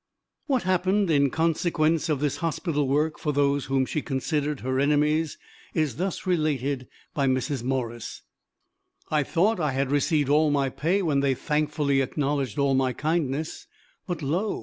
What happened in consequence of this hospital work for those whom she considered her enemies, is thus related by Mrs. Morris: "I thought I had received all my pay when they thankfully acknowledged all my kindness, but lo!